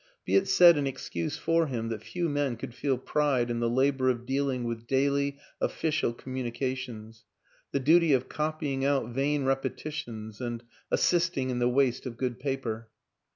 Be it said in excuse for him that few men could feel pride in the labor of dealing with daily official communications the duty of copying out vain repetitions and assisting in the waste of good paper.